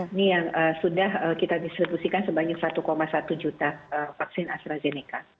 ini yang sudah kita distribusikan sebanyak satu satu juta vaksin astrazeneca